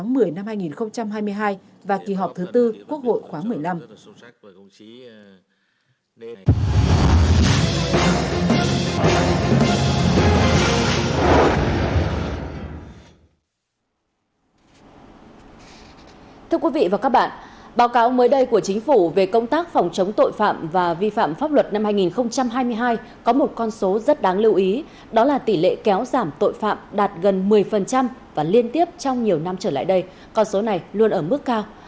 mới đây của chính phủ về công tác phòng chống tội phạm và vi phạm pháp luật năm hai nghìn hai mươi hai có một con số rất đáng lưu ý đó là tỷ lệ kéo giảm tội phạm đạt gần một mươi và liên tiếp trong nhiều năm trở lại đây con số này luôn ở mức cao